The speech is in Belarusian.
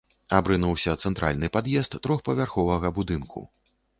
Абрынуўся цэнтральны пад'езд трохпавярховага будынку.